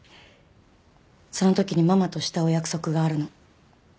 その時にママとしたお約束があるの。